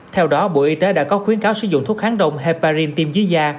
theo đó bộ y tế đã có khuyến cáo sử dụng thuốc kháng đông heparin tiêm dưới da